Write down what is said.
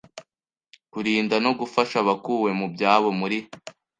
Kurinda no Gufasha Abakuwe mu Byabo muri